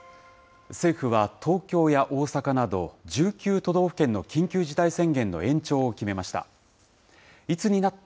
政府は東京や大阪など、１９都道府県の緊急事態宣言の延長を決めました。